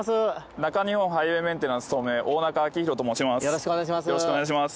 中日本ハイウェイ・メンテナンス東名大中明浩と申します。